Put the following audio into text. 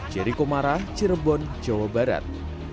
jerry komara cirebon jawa barat